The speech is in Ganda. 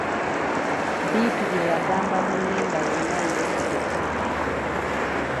Bittu bye yagamba munne nga yenna yeetegese!